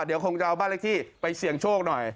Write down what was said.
เดี๋ยวคงจะเอาบ้านเลขที่ไปเสี่ยงโชคหน่อย